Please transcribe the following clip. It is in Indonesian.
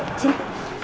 rena yuk sini